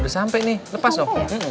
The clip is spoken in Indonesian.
udah sampai nih lepas dong